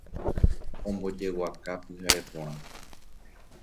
Ombojeguaka pyhare porã